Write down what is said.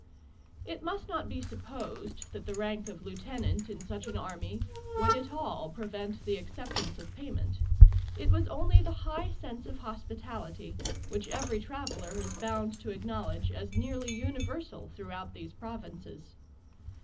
It must not be supposed that the rank of lieutenant in such an army would at all prevent the acceptance of payment: it was only the high sense of hospitality, which every traveller is bound to acknowledge as nearly universal throughout these provinces.